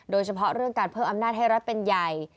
โดยเฉพาะเรื่องการเพิ่มอำนาจให้รัฐเป็นใหญ่